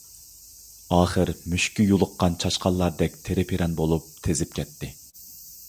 ئاخىر مۈشۈككە يولۇققان چاشقانلاردەك تىرىپىرەن بولۇپ تېزىپ كەتتى.